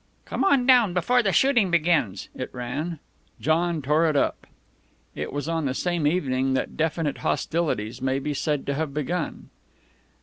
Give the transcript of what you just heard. "Come on down before the shooting begins," it ran. John tore it up. It was on the same evening that definite hostilities may be said to have begun.